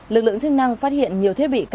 lực lượng chức năng phát hiện nhiều thiết bị cá